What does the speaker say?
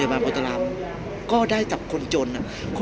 พี่อัดมาสองวันไม่มีใครรู้หรอก